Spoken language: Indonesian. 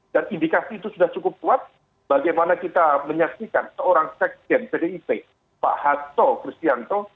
dan indikasi itu sudah cukup kuat bagaimana kita menyaksikan seorang sekten pdip pak hato pristianto